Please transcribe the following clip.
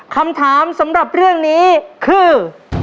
คำถามสำหรับเรื่องนี้คือ